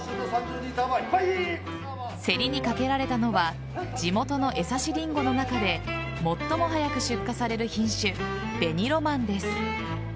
競りにかけられたのは地元の江刺りんごの中で最も早く出荷される品種紅ロマンです。